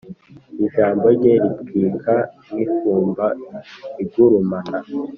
ijambo rye ritwika nk’ifumba igurumana.